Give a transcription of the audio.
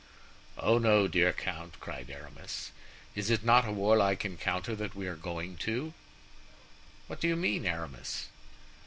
"Oh, no, dear count!" cried Aramis, "is it not a warlike encounter that we are going to?" "What do you mean, Aramis?"